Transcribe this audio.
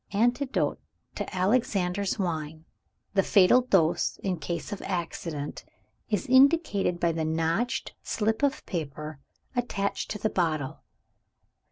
"Antidote to Alexander's Wine. The fatal dose, in case of accident, is indicated by the notched slip of paper attached to the bottle.